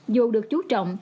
dù được chú trọng